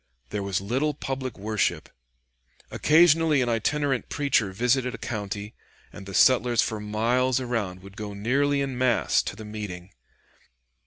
There was little public worship. Occasionally an itinerant preacher visited a county, and the settlers for miles around would go nearly in mass to the meeting.